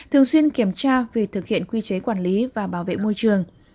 thường xuyên kiểm tra việc thực hiện quy chế quản lý và bảo vệ môi trường